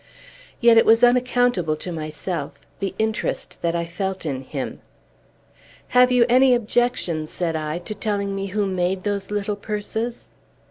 Yet it was unaccountable to myself, the interest that I felt in him. "Have you any objection," said I, "to telling me who made those little purses?"